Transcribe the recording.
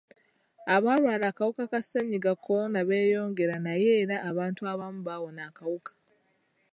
Abalwala akawuka ka ssennyiga kolona beeyongera naye era abantu abamu bawona akawuka.